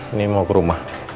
ini mau ke rumah